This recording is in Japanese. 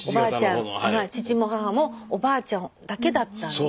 父も母もおばあちゃんだけだったので。